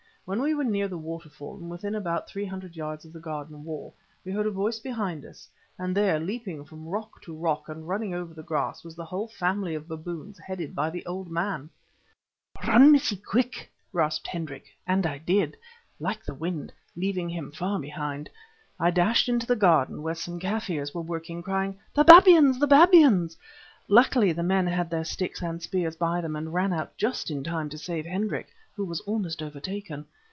When we were near the waterfall, and within about three hundred yards of the garden wall, we heard a voice behind us, and there, leaping from rock to rock, and running over the grass, was the whole family of baboons headed by the old man. "'Run, Missie, run!' gasped Hendrik, and I did, like the wind, leaving him far behind. I dashed into the garden, where some Kaffirs were working, crying, 'The babyans! the babyans!' Luckily the men had their sticks and spears by them and ran out just in time to save Hendrik, who was almost overtaken.